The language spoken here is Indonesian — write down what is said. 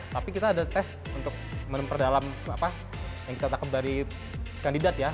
tapi kita ada tes untuk memperdalam yang kita tangkap dari kandidat ya